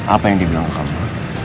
apa yang dia bilang ke kamu